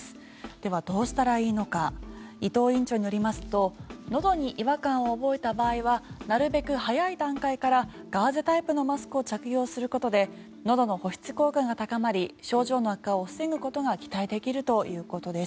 では、どうしたらいいのか伊藤院長によりますとのどに違和感を覚えた場合はなるべく早い段階からガーゼタイプのマスクを着用することでのどの保湿効果が高まり症状の悪化を防ぐことが期待できるということです。